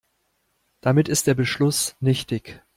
Damit ist der Beschluss nichtig.